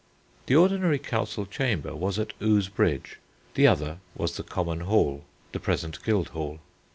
The ordinary council chamber was at Ouse Bridge: the other was the Common Hall, the present Guildhall.